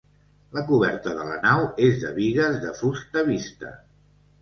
La coberta de la nau és de bigues de fusta vista.